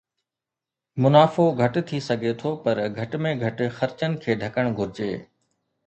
منافعو گهٽ ٿي سگهي ٿو پر گهٽ ۾ گهٽ خرچن کي ڍڪڻ گهرجي